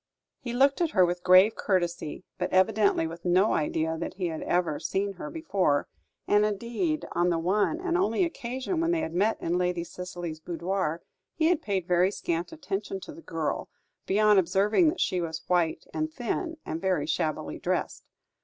He looked at her with grave courtesy, but evidently with no idea that he had ever seen her before; and, indeed, on the one and only occasion when they had met in Lady Cicely's boudoir, he had paid very scant attention to the girl, beyond observing that she was white and thin, and very shabbily dressed.